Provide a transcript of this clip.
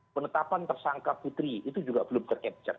penetapan tersangka putri itu juga belum ter capture